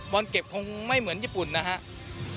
เก็บคงไม่เหมือนญี่ปุ่นนะครับ